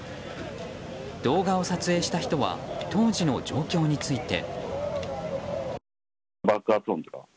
動画を撮影した人は当時の状況について。